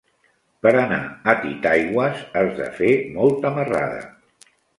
Per anar a Titaigües has de fer molta marrada.